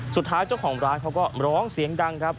สุดท้ายเจ้าของร้านเขาก็ร้องเสียงดังครับ